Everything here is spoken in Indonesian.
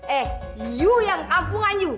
eh you yang kampungan you